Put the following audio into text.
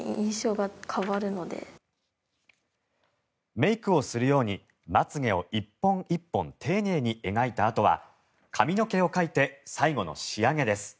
メイクをするようにまつ毛を１本１本丁寧に描いたあとは髪の毛を描いて最後の仕上げです。